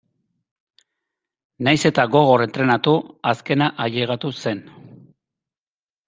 Nahiz eta gogor entrenatu azkena ailegatu zen.